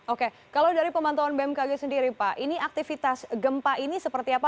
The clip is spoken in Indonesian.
oke kalau dari pemantauan bmkg sendiri pak ini aktivitas gempa ini seperti apa